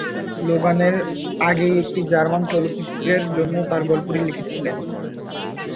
Logan এর আগেই একটি জার্মান চলচ্চিত্রের জন্য তার গল্পটি লিখেছিলেন।